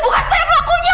bukan saya pelakunya